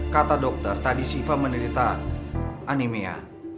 kata dokter tadi siva menderita anemia